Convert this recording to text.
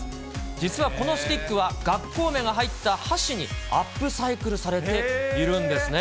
実はこのスティックは学校名が入った箸にアップサイクルされているんですね。